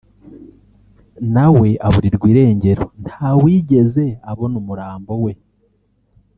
nawe aburirwa irengero ntawigeze abona umurambo we